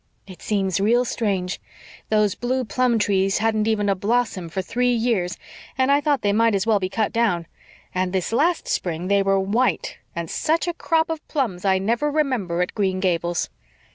It seems real strange. Those blue plum trees hadn't even a blossom for three years, and I thought they might as well be cut down. And this last spring they were white, and such a crop of plums I never remember at Green Gables."